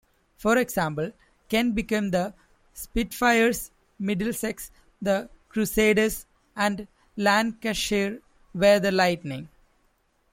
For example, Kent became the 'Spitfires', Middlesex the 'Crusaders' and Lancashire were the 'Lightning'.